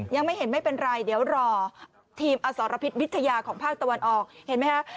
ยังไม่เห็นไม่เป็นไรเดี๋ยวรอทีมอสรพิษวิทยาของภาคตะวันออกเห็นไหมคะ